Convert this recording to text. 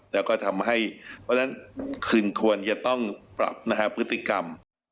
แล้วก็ทำให้เพราะฉะนั้นคุณควรจะต้องปรับนะฮะพฤติกรรม